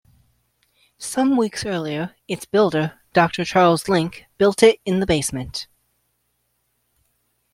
Some weeks earlier, its builder, Doctor Charles Link, built it in the basement.